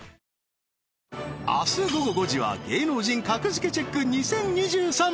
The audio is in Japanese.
明日午後５時は『芸能人格付けチェック ！２０２３』